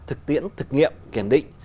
thực tiễn thực nghiệm kiểm định